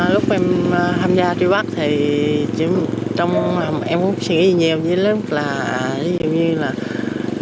lúc em tham gia tri bắt thì em không suy nghĩ nhiều nhiều lắm